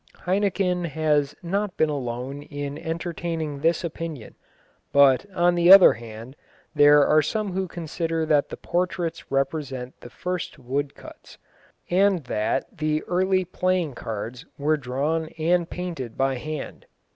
Heinecken has not been alone in entertaining this opinion, but, on the other hand, there are some who consider that the portraits represent the first woodcuts, and that the early playing cards were drawn and painted by hand.